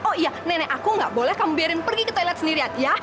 oh iya nenek aku gak boleh kamu biarin pergi ke toilet sendiri ya ya